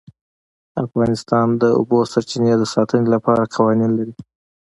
افغانستان د د اوبو سرچینې د ساتنې لپاره قوانین لري.